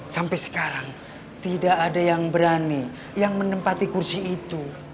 sampai sekarang tidak ada yang berani yang menempati kursi itu